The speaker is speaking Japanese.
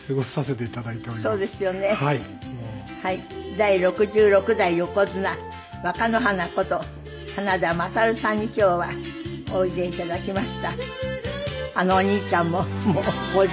第６６代横綱若乃花こと花田虎上さんに今日はおいでいただきました。